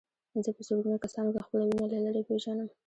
زه په سلګونه کسانو کې خپله وینه له لرې پېژنم.